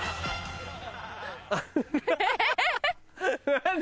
何？